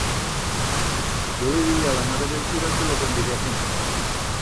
Yo le diría a la mare d'el cura que lo convide a comer.